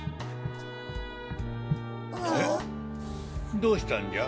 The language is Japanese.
どうしたんじゃ？